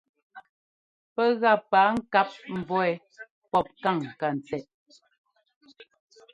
Pɛ́ gá paa-ŋkáp mbɔ̌ wɛ́ pɔ́p káŋ ŋkantsɛꞌ.